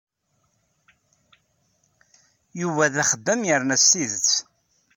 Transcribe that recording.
Yuba d axeddam yerna s tidet.